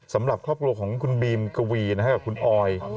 สำหรับครอบครัวของคุณบีมกวีกับคุณออย